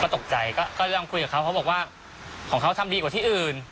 ตกใจก็ยังคุยกับเขาเขาบอกว่าของเขาทำดีกว่าที่อื่น